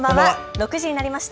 ６時になりました。